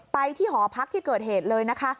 ไปที่หอพักที่เกิดเหตุเลยนะคะ